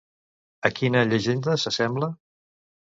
A quina llegenda s'assembla?